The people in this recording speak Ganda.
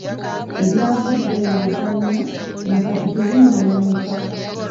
Ebyavudde mu luzannya na kati tebinnamanyika.